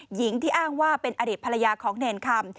หญิงที่อ้างว่าเป็นอดีตภรรยาของเนรคำ